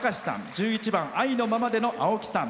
１１番「愛のままで」のあおきさん。